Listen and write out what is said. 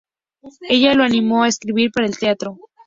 Ella lo animó a escribir para el teatro.